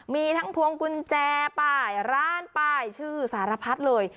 มีทั้งพวงกุญแจป้ายร้านป้ายชื่อสารพัดเลย